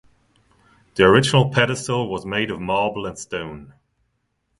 The original pedestal was made of marble and stone.